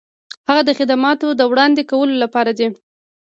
هغه د خدماتو د وړاندې کولو لپاره دی.